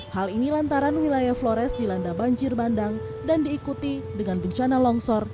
hal ini lantaran wilayah flores dilanda banjir bandang dan diikuti dengan bencana longsor